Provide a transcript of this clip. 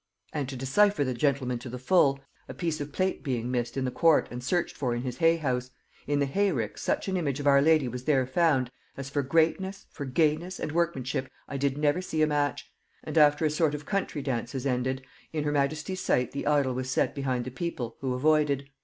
And, to decypher the gentleman to the full; a piece of plate being missed in the court and searched for in his hay house, in the hayrick such an image of our lady was there found, as for greatness, for gayness, and workmanship, I did never see a match; and after a sort of country dances ended, in her majesty's sight the idol was set behind the people, who avoided.